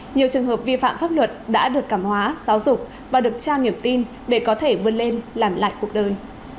nhiều trường hợp vi phạm pháp luật đã được cảm hóa giáo dục và được trang nghiệp tin để có thể vươn lên làm lại cuộc đời